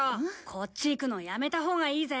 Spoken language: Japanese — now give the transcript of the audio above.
こっち行くのやめたほうがいいぜ。